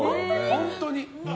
本当に。